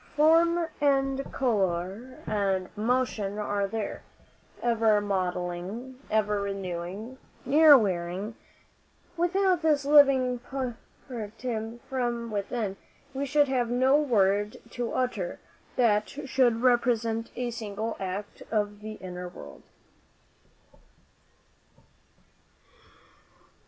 Form and colour and motion are there, ever modelling, ever renewing, never wearying. Without this living portraiture from within, we should have no word to utter that should represent a single act of the inner world.